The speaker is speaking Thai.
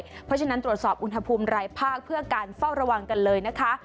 เพราะฉะนั้นตรวจสอบอุณหภูมิรายภาคเพื่อการเฝ้าระวังกันเลยนะคะ